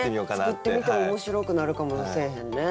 作ってみても面白くなるかもせえへんね。